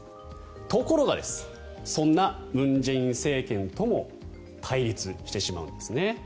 ところが、そんな文在寅政権とも対立してしまうんですね。